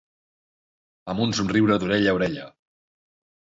Amb un somriure d'orella a orella.